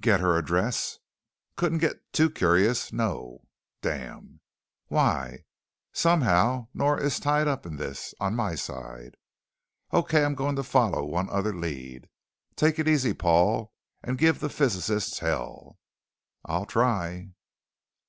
"Get her address?" "Couldn't get too curious. No." "Damn." "Why?" "Somehow, Nora is tied up in this. On my side." "Okay, I'm going to follow one other lead. Take it easy, Paul, and give the physicists hell." "I'll try."